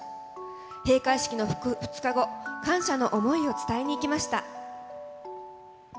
閉会式の２日後、感謝の想いを伝えに行きました。